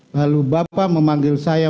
lalu bapak memanggil saya